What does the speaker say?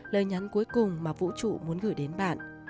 lời nhắn cuối cùng mà vũ trụ muốn gửi đến bạn